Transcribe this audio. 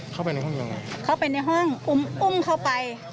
เข้าไปในห้องอุ้มเข้าไป